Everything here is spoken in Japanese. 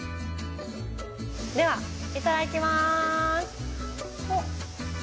ではいただきます。